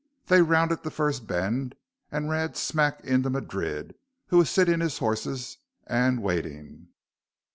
They rounded the first bend and ran smack into Madrid, who was sitting his horses and waiting.